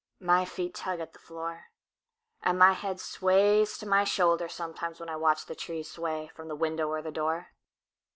My feet tug at the floorAnd my head sways to my shoulderSometimes when I watch trees sway, From the window or the door.